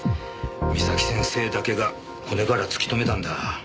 岬先生だけが骨から突き止めたんだ。